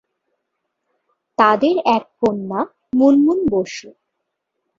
তাদের এক কন্যা মুনমুন বসু।